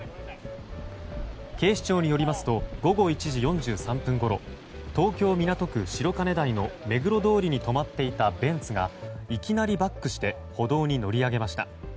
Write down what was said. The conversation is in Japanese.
警視庁によりますと午後１時４３分ごろ東京・港区白金台の目黒通りに止まっていたベンツがいきなりバックして歩道に乗り上げました。